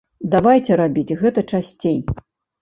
Давайце рабіць гэта часцей.